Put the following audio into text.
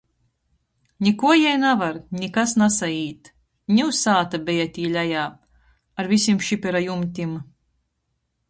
Nikuo jei navar. Nikas nasaīt. Niu sāta beja tī lejā. Ar vysim šipera jumtim.